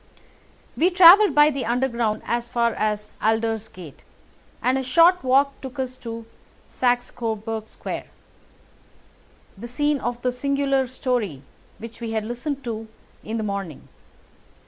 We travelled by the Underground as far as Aldersgate; and a short walk took us to Saxe Coburg Square, the scene of the singular story which we had listened to in the morning.